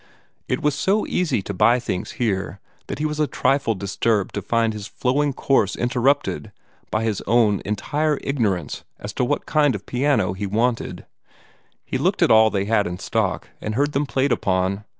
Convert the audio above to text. It was so easy to buy things here that he was a trifle disturbed to find his flowing course interrupted by his own entire ignorance as to what kind of piano he wanted. He looked at all they had in stock, and heard them played upon.